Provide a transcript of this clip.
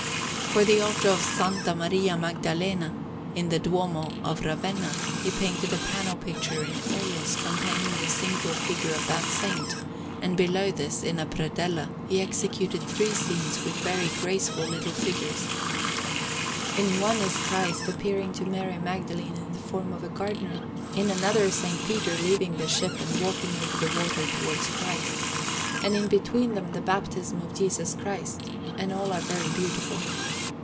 For the altar of S. Maria Maddalena, in the Duomo of Ravenna, he painted a panel picture in oils containing the single figure of that Saint; and below this, in a predella, he executed three scenes with very graceful little figures. In one is Christ appearing to Mary Magdalene in the form of a gardener, in another S. Peter leaving the ship and walking over the water towards Christ, and between them the Baptism of Jesus Christ; and all are very beautiful.